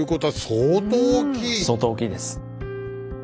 相当大きいです。